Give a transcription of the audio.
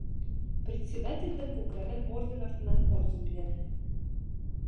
Председателдең күкрәген орден артынан орден биҙәне.